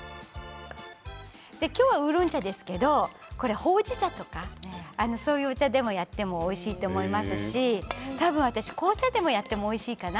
今日はウーロン茶ですけれどもほうじ茶とかそういうお茶でやってもおいしいと思いますし多分紅茶でやってもおいしいかな。